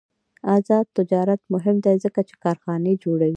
آزاد تجارت مهم دی ځکه چې کارخانې جوړوي.